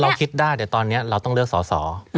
คิดได้แต่ตอนนี้เราต้องเลือกสอสอ